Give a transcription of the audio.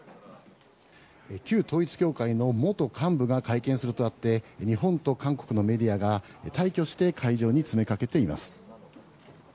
旧統一教会の元幹部が会見するとあって日本と韓国のメディアが大挙して会場に詰めかけています。